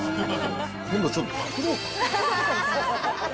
今度ちょっとパクろうかな。